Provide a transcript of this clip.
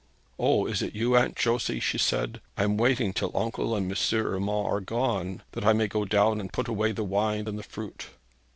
'O, is it you, Aunt Josey?' she said. 'I am waiting till uncle and M. Urmand are gone, that I may go down and put away the wine and the fruit.'